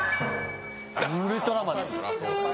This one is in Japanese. ウルトラマンです。